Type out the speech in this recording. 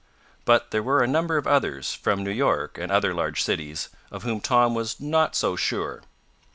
But there were a number of others, from New York, and other large cities, of whom Tom was not so sure.